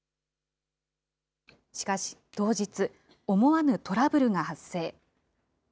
しかし当日、思わぬトラブルが発生。